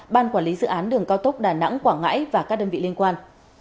ban quản lý dự án đường cao tốc đà nẵng quảng ngãi và các đơn vị liên quan